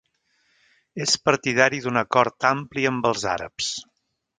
És partidari d'un acord ampli amb els àrabs.